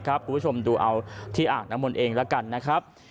คุณผู้ชมดูเอาที่อ่างน้ำมนต์เองแล้วกันนะครับ